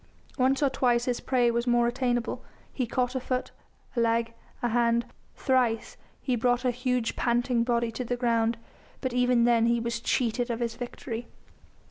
Once or twice his prey was more attainable. He caught a foot, a leg, a hand; thrice he brought a huge, panting body to the ground, but even then he was cheated of his victory.